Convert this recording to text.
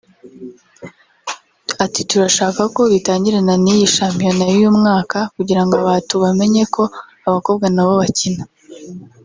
Ati “Turashaka ko bitangirana n’iyi shampiyona y’uyu mwaka kugirango abatu bamenye ko abakobwa nbo bakina